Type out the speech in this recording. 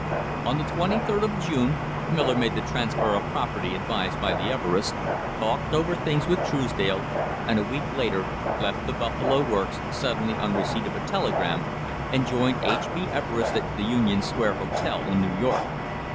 On the 23d of June Miller made the transfer of property ad vised by the Everests, talked over things with Truesdale, and a week later left the Buffalo Works suddenly on receipt of a telegram, and joined H. B. Everest at the Union Square Hotel in New York.